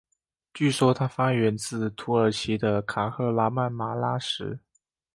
据说它发源自土耳其的卡赫拉曼马拉什。